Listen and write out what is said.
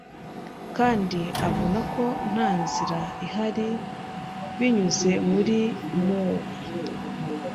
Kandi abona ko nta nzira ihari binyuze muri moor